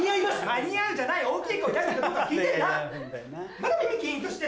「間に合う」じゃない大きい声出してるかどうか聞いてんだ！